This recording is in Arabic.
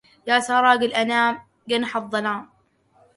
يا سراج الأنام جنح الظلام